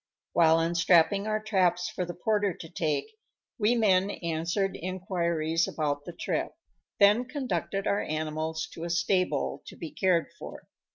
While unstrapping our traps for the porter to take, we men answered inquiries about the trip, then conducted our animals to a stable, to be cared for.